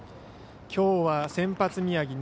きょうは先発、宮城。